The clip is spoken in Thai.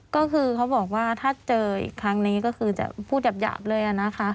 ก็คือเขาบอกว่าถ้าเจออีกครั้งนี้ก็คือจะพูดหยาบเลยนะคะ